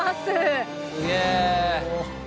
すげえ。